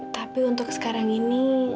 tapi untuk sekarang ini